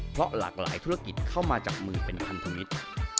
เพราะหลากหลายธุรกิจเข้ามาจับมือเป็นพันธมิตร